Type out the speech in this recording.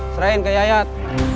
serahin ke yayat